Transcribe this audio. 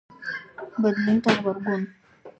بدلون ته غبرګون